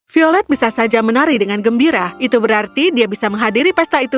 violet bisa saja menari dengan gembira itu berarti dia bisa menghadiri pesta itu